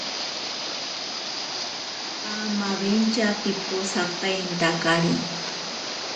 Pamawentya piposapaintakari.